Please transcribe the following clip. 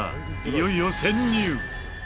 いよいよ潜入。